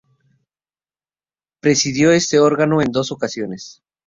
Presidió este órgano en dos ocasiones.